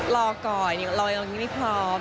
รอก่อนยังรออย่างนี้ไม่พร้อม